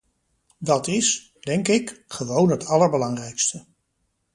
Dat is, denk ik, gewoon het allerbelangrijkste.